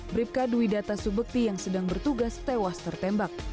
bribka dwidata subekti yang sedang bertugas tewas tertembak